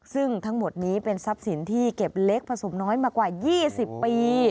ซึ่งทั้งหมดนี้เป็นทรัพย์สินที่เก็บเล็กผสมน้อยมากว่า๒๐ปี